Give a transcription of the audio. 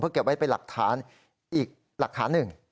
เพื่อเก็บไว้ไปหลักฐานอีกหลักฐานหนึ่ง